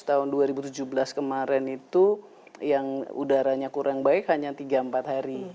tahun dua ribu tujuh belas kemarin itu yang udaranya kurang baik hanya tiga empat hari